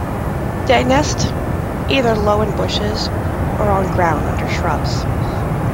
They nest either low in bushes or on the ground under shrubs.